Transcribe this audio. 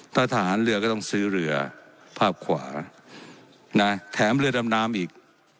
ถ้าทหารเรือก็ต้องซื้อเรือภาพขวานะแถมเรือดำน้ำอีก